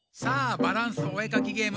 「バランスお絵かきゲーム」